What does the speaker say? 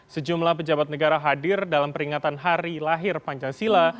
sejumlah pejabat negara hadir dalam peringatan hari lahir pancasila